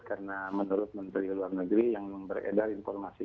karena menurut menteri luar negeri yang memberi edar informasi